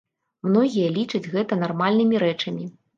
Многія лічаць гэта нармальнымі рэчамі.